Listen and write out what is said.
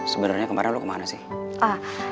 sebenarnya kemarin lo kemana sih